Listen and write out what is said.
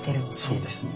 そうですね。